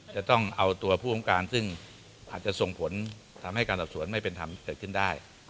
จะต้องเอาตัวผู้ของการซึ่งอาจจะส่งผลทำให้การสอบสวนไม่เป็นธรรมเกิดขึ้นได้